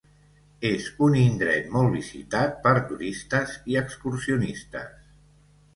És un indret molt visitat per turistes i excursionistes.